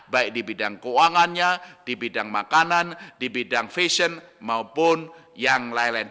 baik di bidang keuangannya di bidang makanan di bidang fashion maupun yang lain lain